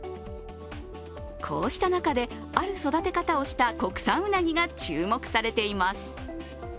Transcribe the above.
こうした中で、ある育て方をした国産うなぎが注目されています。